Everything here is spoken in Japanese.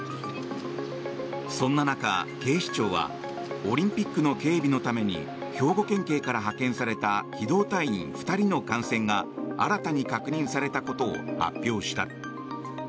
そんな中、警視庁はオリンピックの警備のために兵庫県警から派遣された機動隊員２人の感染が新たに確認されたことを発表した。